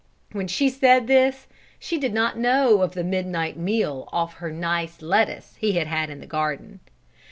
When she said this, she did not know of the midnight meal off her nice lettuce he had had in the garden.